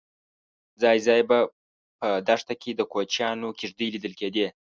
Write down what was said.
ځای ځای به په دښته کې د کوچیانو کېږدۍ لیدل کېدې.